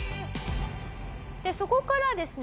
そこからですね